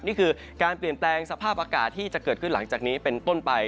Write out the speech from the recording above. นี่คือการเปลี่ยนแปลงสภาพอากาศที่จะเกิดขึ้นหลังจากนี้เป็นต้นไป